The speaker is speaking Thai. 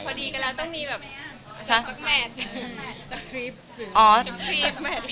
พอดีกันแล้วต้องมีแบบซักแมทซักทริป